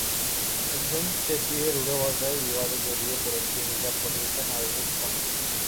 একজন চেঁচিয়ে রূঢ় ভাষায় বিবাদে জড়িয়ে পড়েছে হিজাব পরিহিতা নারীর সঙ্গে।